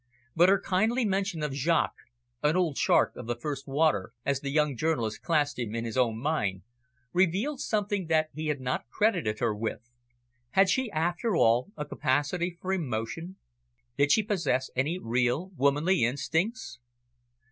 But her kindly mention of Jaques, "an old shark of the first water," as the young journalist classed him in his own mind, revealed something that he had not credited her with. Had she, after all, a capacity for emotion, did she possess any real womanly instincts?